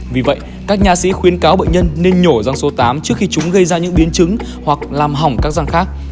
vì vậy các nhạc sĩ khuyên cáo bệnh nhân nên nhổ răng số tám trước khi chúng gây ra những biến chứng hoặc làm hỏng các răng khác